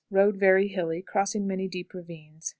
Road very hilly, crossing many deep ravines.